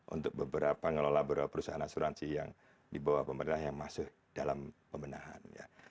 untuk beberapa ngelola beberapa perusahaan asuransi yang di bawah pemerintah yang masuk dalam pemenahan